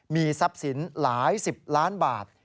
มีทรัพย์สินหลายสิบล้านบาท